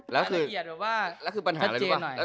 แล้วคือปัญหาอะไรดูว่า